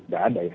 tidak ada ya